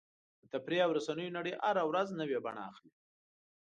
د تفریح او رسنیو نړۍ هره ورځ نوې بڼه اخلي.